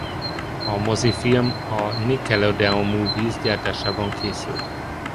A mozifilm a Nickelodeon Movies gyártásában készült.